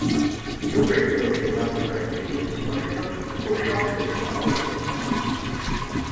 Fuel-grade coke is classified as either sponge coke or shot coke morphology.